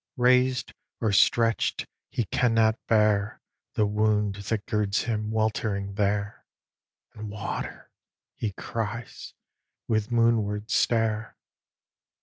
Rais'd, or stretch'd, he cannot bear The wound that girds him, weltering there: And "Water!" he cries, with moonward stare.